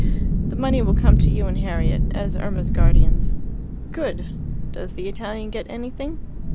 The money will come to you and Harriet, as Irma's guardians." "Good. Does the Italian get anything?"